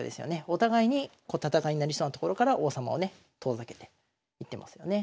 お互いに戦いになりそうなところから王様をね遠ざけていってますよね。